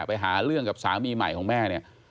ไปหาเรื่องกับสามีใหม่ของแม่เนี่ย